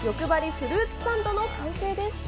フルーツサンドの完成です。